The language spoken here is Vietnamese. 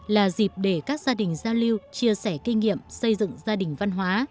là dịp để các gia đình giao lưu chia sẻ kinh nghiệm xây dựng gia đình văn hóa